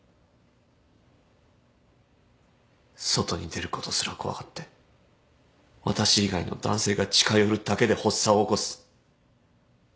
外に出ることすら怖がって私以外の男性が近寄るだけで発作を起こす。